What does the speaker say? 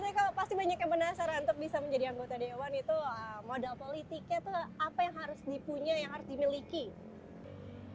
itu modal politiknya tuh apa yang harus dipunya yang harus dimiliki